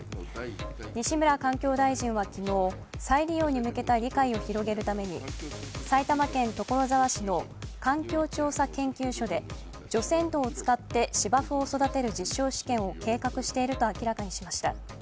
西村環境大臣は昨日再利用に向けた理解を広げるために埼玉県所沢市の環境調査研修所で除染土を使って芝生を育てる実証試験を計画していると明らかにしました。